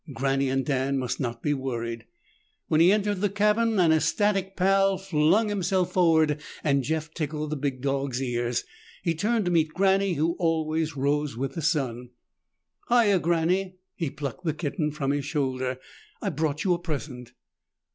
Granny and Dan must not be worried. When he entered the cabin, an ecstatic Pal flung himself forward and Jeff tickled the big dog's ears. He turned to meet Granny, who always rose with the sun. "Hiya, Granny!" He plucked the kitten from his shoulder. "I brought you a present!"